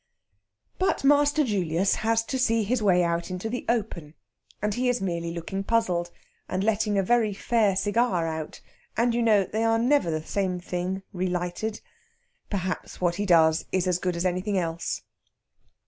But Master Julius has to see his way out into the open, and he is merely looking puzzled, and letting a very fair cigar out and, you know, they are never the same thing relighted. Perhaps what he does is as good as anything else.